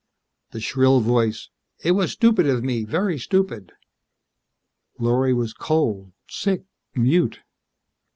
The shrill voice: "It was stupid of me. Very stupid." Lorry was cold, sick, mute.